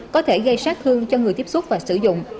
có thể gây sát thương cho người tiếp xúc và sử dụng